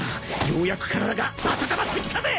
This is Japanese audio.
ようやく体が温まってきたぜ！